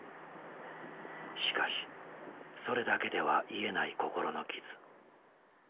しかしそれだけでは癒えない心の傷。